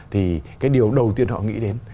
thì cái điều đầu tiên họ nghĩ đến